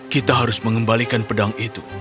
kita harus mengembalikan pedang itu